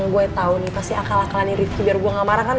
gue tau nih pasti akal akalannya rifki biar gue gak marah kan